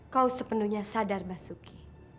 kau sepenuhnya sadar basuki